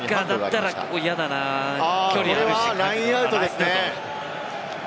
これはラインアウトですね。